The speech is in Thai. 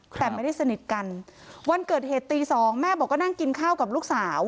แต่ไม่ได้สนิทกันวันเกิดเหตุตีสองแม่บอกก็นั่งกินข้าวกับลูกสาว